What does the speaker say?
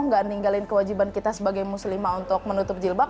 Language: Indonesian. nggak ninggalin kewajiban kita sebagai muslimah untuk menutup jilbab